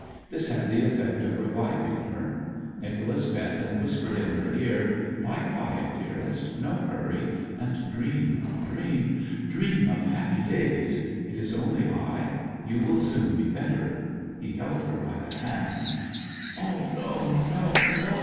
This had the effect of reviving her. Nicholas bent and whispered in her ear, 'Lie quiet, dearest, no hurry; and dream, dream, dream of happy days. It is only I. You will soon be better.' He held her by the hand. 'No, no, no!'